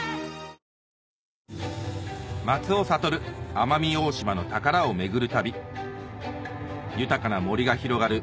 奄美大島の宝を巡る旅豊かな森が広がる